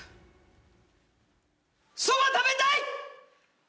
そば食べたい！